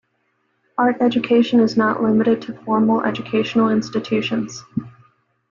Art education is not limited to formal educational institutions.